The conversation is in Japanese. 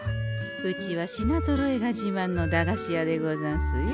うちは品ぞろえがじまんの駄菓子屋でござんすよ。